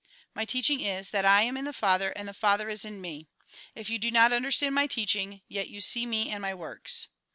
My teaching is, that I am in the Father and the Father is in me. If you do not understand my teaching, yet you see me and my works.